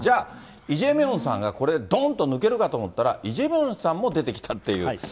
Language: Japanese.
イ・ジェミョンさんがこれ、どんと抜けるかと思ったら、イ・ジェミョンさんも出てきたっていう。